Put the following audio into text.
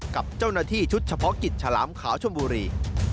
กับเจ้าหน้าที่ชุดเฉพาะกิจฉลามขาวชมบุรี